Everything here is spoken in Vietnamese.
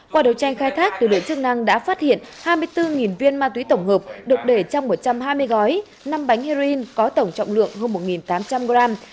qua đấu tranh khai thác lực lượng chức năng đã phát hiện hai mươi bốn viên ma túy tổng hợp được để trong một trăm hai mươi gói năm bánh heroin có tổng trọng lượng hơn một tám trăm linh gram